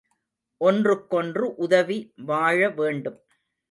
ஒன்றுக்கொன்று உதவி வாழ வேண்டும்.